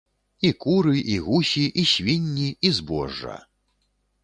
І куры, і гусі, і свінні, і збожжа.